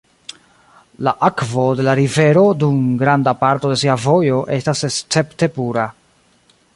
La akvo de la rivero dum granda parto de sia vojo estas escepte pura.